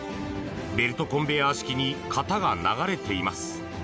ベルトコンベヤー式に型が流れています。